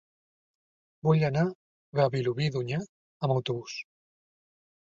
Vull anar a Vilobí d'Onyar amb autobús.